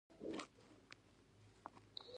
د دغې کوڅې درواغجن اټک نومېده.